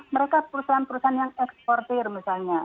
mereka perusahaan perusahaan yang eksportir misalnya